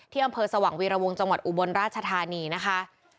อำเภอสว่างวีรวงจังหวัดอุบลราชธานีนะคะ